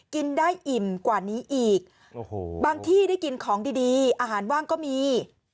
กินได้อิ่มกว่านี้อีกบางที่ได้กินของดีอาหารว่างก็มี